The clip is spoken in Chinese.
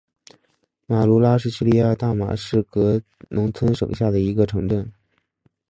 马卢拉是叙利亚大马士革农村省下的一个城镇。